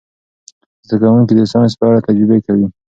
زده کوونکي د ساینس په اړه تجربې کوي.